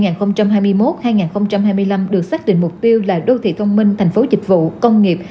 giai đoạn hai nghìn hai mươi một hai nghìn hai mươi năm được xác định mục tiêu là đô thị thông minh thành phố dịch vụ công nghiệp